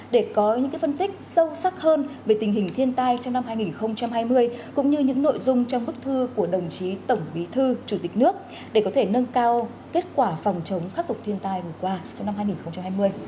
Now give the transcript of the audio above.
để có những phân tích sâu sắc hơn về tình hình thiên tai trong năm hai nghìn hai mươi cũng như những nội dung trong bức thư của đồng chí tổng bí thư chủ tịch nước để có thể nâng cao kết quả phòng chống khắc phục thiên tai vừa qua trong năm hai nghìn hai mươi